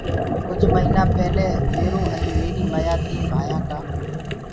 ڪجھ مهيٚنا پيلي ميرو ائيٚنٚ ميريٚ مَيآ تينٚ ڀآيآنٚ ڪآ